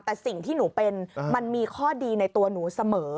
แต่สิ่งที่หนูเป็นมันมีข้อดีในตัวหนูเสมอ